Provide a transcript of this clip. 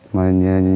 mà nhìn nhìn